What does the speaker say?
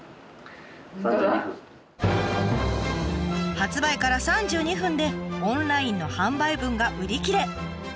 発売から３２分でオンラインの販売分が売り切れ！